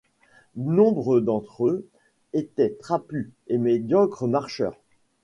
Nombre d’entre eux étaient trapus et médiocres marcheurs.